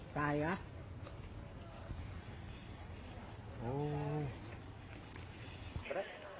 ตายอีกแล้ว